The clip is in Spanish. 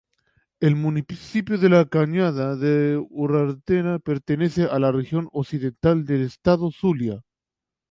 El municipio La Cañada de Urdaneta pertenece a la región occidental del estado Zulia.